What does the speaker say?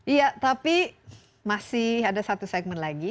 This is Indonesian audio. iya tapi masih ada satu segmen lagi